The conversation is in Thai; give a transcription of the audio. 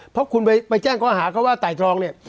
เพราะคุณไปแจ้งข้อหาเขาว่าไต่ตรองเนี่ย